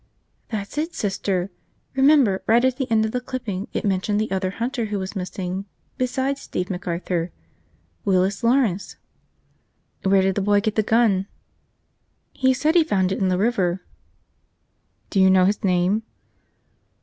"That's it, Sister! Remember, right at the end of the clipping, it mentioned the other hunter who was missing, besides Steve McArthur? Willis Lawrence!" "Where did the boy get the gun?" "He said he found it in the river." "Do you know his name?"